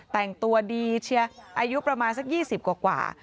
แต่งตัวดีเชียร์อายุประมาณสัก๒๐กว่า